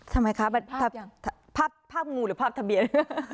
ทำไมคะภาพงูหรือภาพทะเบียน